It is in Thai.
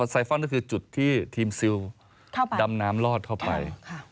ไซฟอนด์ก็คือจุดที่ทีมซิลดำน้ำลอดเข้าไป